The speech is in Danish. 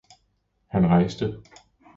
Han rejste.